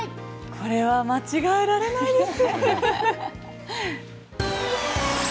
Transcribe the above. これは間違えられないです。